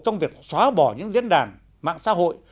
trong việc xóa bỏ những diễn đàn mạng xã hội